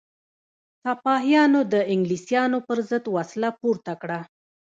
سپاهیانو د انګلیسانو پر ضد وسله پورته کړه.